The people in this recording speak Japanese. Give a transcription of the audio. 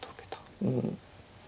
うん。